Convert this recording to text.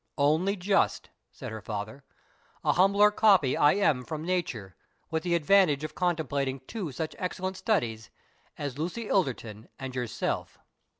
"Only just," said her father; "a humble copier I am from nature, with the advantage of contemplating two such excellent studies as Lucy Ilderton and yourself."